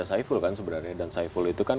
semuanya berdiri dalam